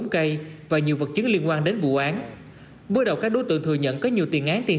bốn cây và nhiều vật chứng liên quan đến vụ án bước đầu các đối tượng thừa nhận có nhiều tiền án tiền